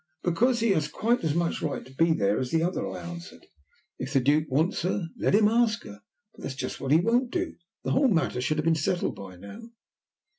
"Because he has quite as much right to be there as the other," I answered. "If the Duke wants her, let him ask her, but that's just what he won't do. The whole matter should have been settled by now."